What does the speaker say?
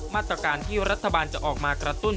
มาตรการที่รัฐบาลจะออกมากระตุ้น